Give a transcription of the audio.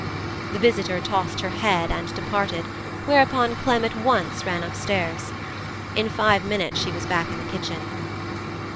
The visitor tossed her head and departed, whereupon Clem at once ran upstairs. In five minutes she was back in the kitchen.